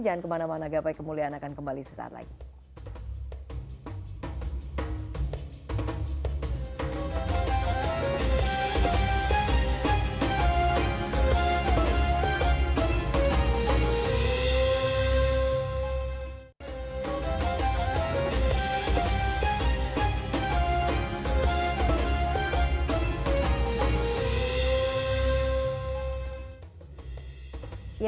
jangan kemana mana gapai kemuliaan akan kembali sesaat lagi